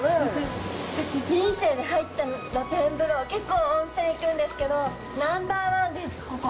私、人生で入った露天風呂結構、温泉行くんですけどナンバーワンです、ここ。